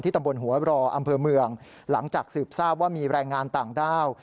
ตำบลหัวรออำเภอเมืองหลังจากสืบทราบว่ามีแรงงานต่างด้าว